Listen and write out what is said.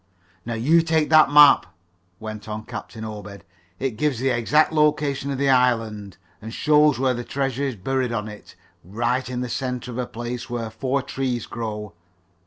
"Now you take that map," went on Captain Obed. "It gives the exact location or the island, and shows where the treasure is buried on it, right in the center of a place where four trees grow.